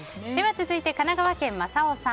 続いて、神奈川県の方。